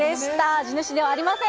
地主ではありません。